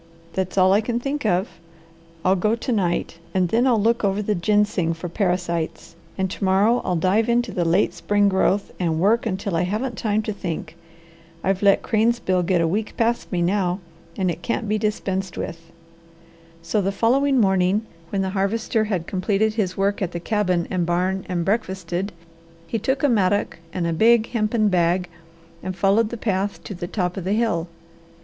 That's all I can think of. I'll go to night, and then I'll look over the ginseng for parasites, and to morrow I'll dive into the late spring growth and work until I haven't time to think. I've let cranesbill get a week past me now, and it can't be dispensed with." So the following morning, when the Harvester had completed his work at the cabin and barn and breakfasted, he took a mattock and a big hempen bag, and followed the path to the top of the hill.